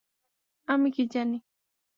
আমি কি জানি।